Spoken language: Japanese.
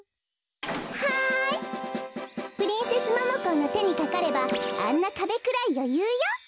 はいプリンセスモモコーのてにかかればあんなかべくらいよゆうよ。